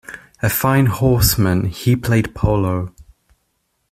A fine horseman, he played polo.